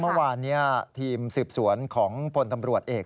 เมื่อวานทีมสืบสวนของพลตำรวจเอก